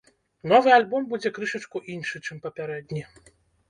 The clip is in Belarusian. Новы альбом будзе крышачку іншы, чым папярэдні.